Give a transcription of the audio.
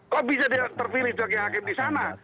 kok bisa terpilih sebagian hakim di sana